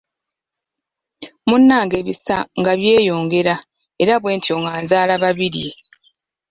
Munnange ebisa nga byeyongera era bwentyo nga nzaala Babirye.